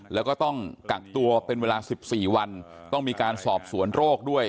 แล้วก็ต้องกักตัวเป็นเวลา๑๔วันต้องมีการสอบสวนโรคด้วย